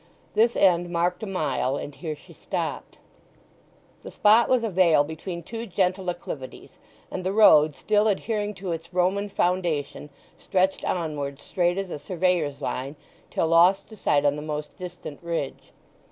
This end marked a mile; and here she stopped. The spot was a vale between two gentle acclivities, and the road, still adhering to its Roman foundation, stretched onward straight as a surveyor's line till lost to sight on the most distant ridge.